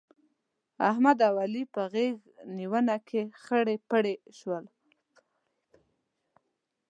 احمد او علي په غېږ نيونه کې خرې پر خرې شول.